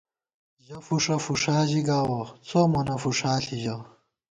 ژَہ فُوݭہ، فُوݭا ژِی گاوَہ، څو مونہ فُوݭا ݪی ژَہ